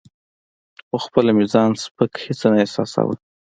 خو خپله مې ځان سپک هیڅ نه احساساوه.